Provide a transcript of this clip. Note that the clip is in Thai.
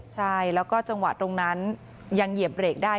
ใช่แล้วก็จังหวะตรงนั้นยังเหยียบเบรกได้